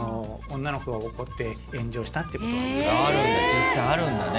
実際あるんだね。